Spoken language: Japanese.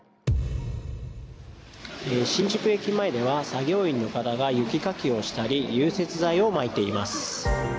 新宿駅前では作業員の方が雪かきをしたり融雪剤をまいています。